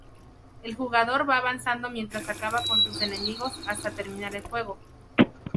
El jugador va avanzando mientras acaba con sus enemigos hasta terminar el juego.